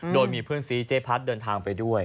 โดยมีเพื่อนซีเจ๊พัดเดินทางไปด้วย